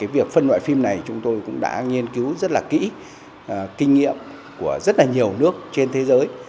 việc phân loại phim này chúng tôi cũng đã nghiên cứu rất là kỹ kinh nghiệm của rất nhiều nước trên thế giới